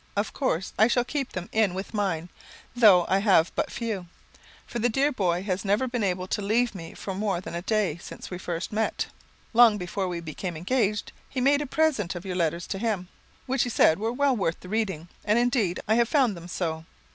Of course I shall keep them in with mine, though I have but few, for the dear boy has never been able to leave me for more than a day, since first we met. "Long before we became engaged, he made me a present of your letters to him, which he said were well worth the reading, and indeed, I have found them so.